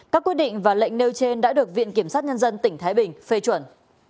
các quyết định và lệnh nêu trên đã được viện kiểm sát nhân dân tỉnh thái bình phê chuẩn